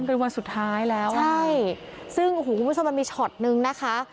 เป็นวันสุดท้ายแล้วอ่ะใช่ซึ่งโอ้โหคุณผู้ชมมันมีช็อตนึงนะคะ